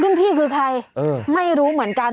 พี่คือใครไม่รู้เหมือนกัน